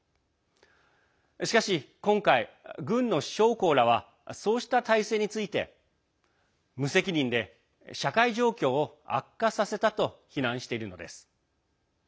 しかし、今回、軍の将校らはそうした体制について無責任で社会状況を悪化させたと非難しているのです。